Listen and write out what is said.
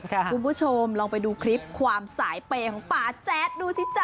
คุณผู้ชมลองไปดูคลิปความสายเปย์ของป่าแจ๊ดดูสิจ๊